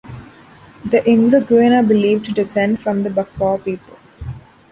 The Imraguen are believed to descend from the Bafour people.